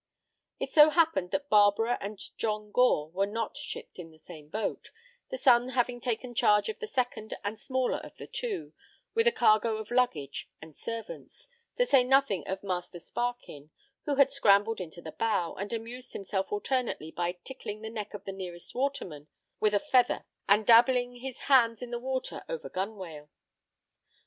It so happened that Barbara and John Gore were not shipped in the same boat, the son having taken charge of the second and smaller of the two, with a cargo of luggage and servants, to say nothing of Master Sparkin, who had scrambled into the bow, and amused himself alternately by tickling the neck of the nearest waterman with a feather and dabbling his hands in the water over gunwale.